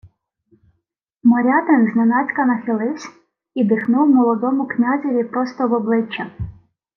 Морятин зненацька нахиливсь і дихнув молодому князеві просто в обличчя: